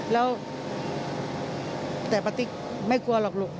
แล้วแต่ป้าติ๊กไม่กลัวหรอกลูก